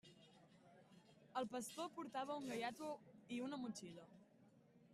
El pastor portava un gaiato i una motxilla.